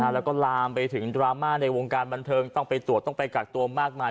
แล้วก็ลามไปถึงดราม่าในวงการบันเทิงต้องไปตรวจต้องไปกักตัวมากมาย